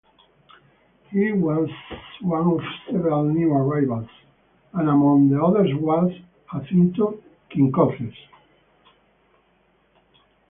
He was one of several new arrivals, and among the others was Jacinto Quincoces.